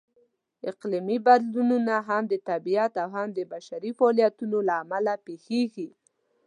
اقلیمي بدلونونه هم د طبیعت او هم د بشري فعالیتونو لهامله پېښېږي.